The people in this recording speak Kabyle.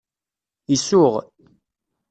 Isuɣ.